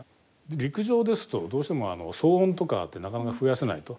陸上ですとどうしても騒音とかあってなかなか増やせないと。